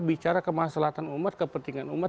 bicara kemaslahatan umat kepentingan umat